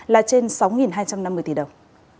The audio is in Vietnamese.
là trên sáu hai trăm năm mươi tỷ đồng